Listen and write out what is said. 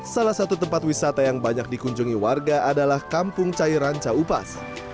salah satu tempat wisata yang banyak dikunjungi warga adalah kampung cairan caupas